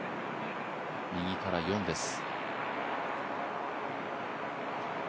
右から４です。